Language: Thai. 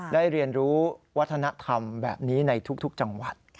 เรียนรู้วัฒนธรรมแบบนี้ในทุกจังหวัด